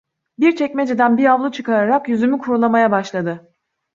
Bir çekmeceden bir havlu çıkararak yüzümü kurulamaya başladı.